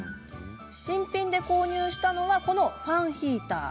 新品で購入したのはファンヒーター。